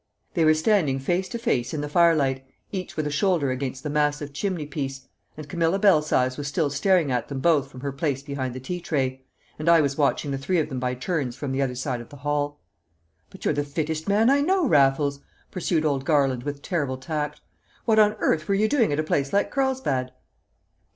They were standing face to face in the firelight, each with a shoulder against the massive chimney piece; and Camilla Belsize was still staring at them both from her place behind the tea tray; and I was watching the three of them by turns from the other side of the hall. "But you're the fittest man I know. Raffles," pursued old Garland with terrible tact. "What on earth were you doing at a place like Carlsbad?"